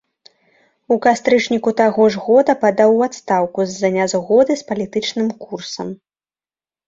У кастрычніку таго ж года падаў у адстаўку з-за нязгоды з палітычным курсам.